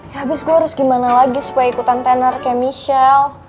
habis gue harus gimana lagi supaya ikutan tenor kayak michelle